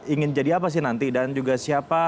ingin jadi apa sih nanti dan juga siapa